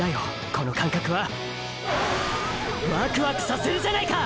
この感覚は。ワクワクさせるじゃないか！！